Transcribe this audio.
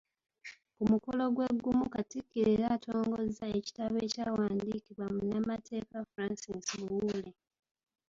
Ku mukolo gwegumu Katikkiro era atongozza ekitabo ekyawandiikibwa munnamateeka Francis Buwuule.